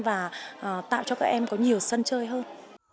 và tạo cho các em có nhiều sân chơi hơn